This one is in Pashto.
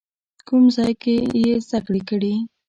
کوم ځای کې یې زده کړې کړي؟